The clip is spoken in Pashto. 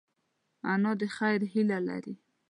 انا د خیر هیله لري